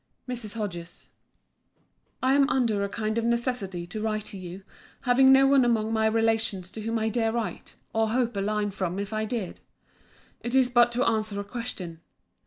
MRS. HODGES, I am under a kind of necessity to write to you, having no one among my relations to whom I dare write, or hope a line from if I did. It is but to answer a question.